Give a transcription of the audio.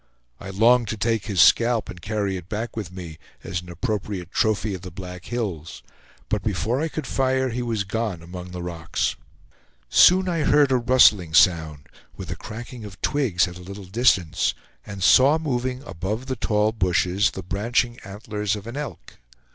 I longed to take his scalp and carry it back with me, as an appropriate trophy of the Black Hills, but before I could fire, he was gone among the rocks. Soon I heard a rustling sound, with a cracking of twigs at a little distance, and saw moving above the tall bushes the branching antlers of an elk.